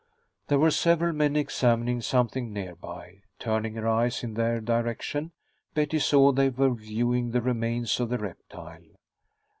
There were several men examining something nearby. Turning her eyes in their direction, Betty saw they were viewing the remains of the reptile.